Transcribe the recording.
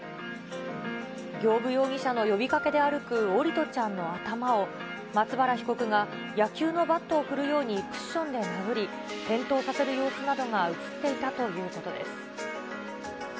行歩容疑者の呼びかけで歩く桜利斗ちゃんの頭を、松原被告が野球のバットを振るようにクッションで殴り、転倒させる様子などが写っていたということです。